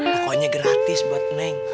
pokoknya gratis buat neng